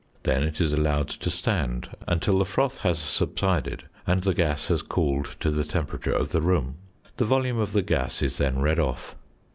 Then it is allowed to stand until the froth has subsided, and the gas has cooled to the temperature of the room. The volume of the gas is then read off.